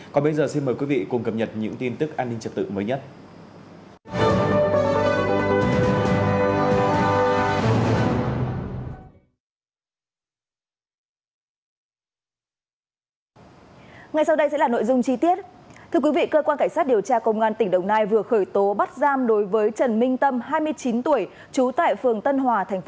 còn bây giờ xin mời quý vị cùng cập nhật những tin tức an ninh trật tự mới nhất